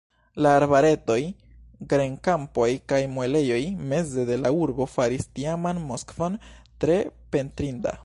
La arbaretoj, grenkampoj kaj muelejoj meze de la urbo faris tiaman Moskvon tre pentrinda.